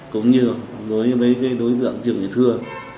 cũng như đối với đối tượng trường đệ thưa